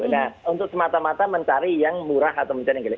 nah untuk semata mata mencari yang murah atau mencari yang gelit